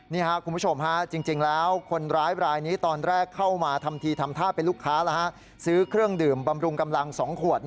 นี่ค่ะคุณผู้ชมฮะจริงแล้ว